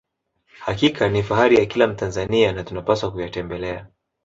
hakika ni fahari ya kila mtanzania na tunapaswa kuyatembelea